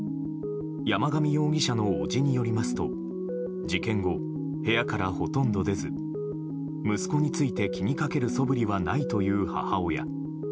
山上容疑者の伯父によりますと事件後部屋からほとんど出ず息子について気に掛けるそぶりはないという母親。